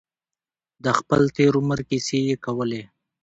د خپل تېر عمر کیسې یې کولې.